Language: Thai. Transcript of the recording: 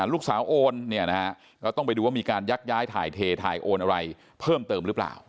โอนเนี่ยนะฮะก็ต้องไปดูว่ามีการยักย้ายถ่ายเทถ่ายโอนอะไรเพิ่มเติมหรือเปล่า